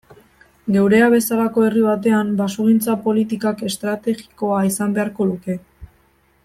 Geurea bezalako herri batean basogintza politikak estrategikoa izan beharko luke.